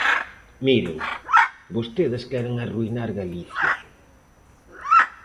Miren, vostedes queren arruinar Galicia.